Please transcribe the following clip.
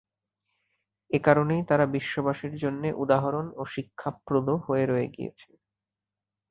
এ কারণেই তারা বিশ্ববাসীর জন্যে উদাহরণ ও শিক্ষাপ্রদ হয়ে রয়ে গিয়েছে।